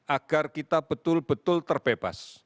agar kita betul betul terbebas